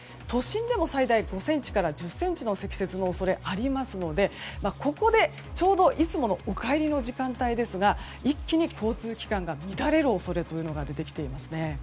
都心でも最大５ｃｍから１０ｃｍの積雪の恐れがありますのでここで、ちょうどいつものお帰りの時間帯ですが一気に交通機関が乱れる恐れというのが出てきます。